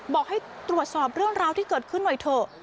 บอกให้ตรวจสอบเรื่องราวที่เกิดขึ้นหน่อยเถอะ